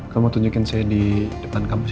kamu tunjukin saya di depan kampus